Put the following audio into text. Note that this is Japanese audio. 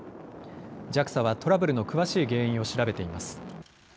ＪＡＸＡはトラブルの詳しい原因を調べています。